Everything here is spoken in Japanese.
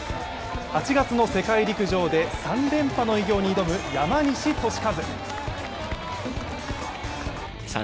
８月の世界陸上で３連覇の偉業に挑む山西利和。